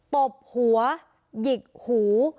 ตบหัวหยิกหู